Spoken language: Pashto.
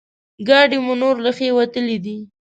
ګاډی مو نور له ښې وتلی دی.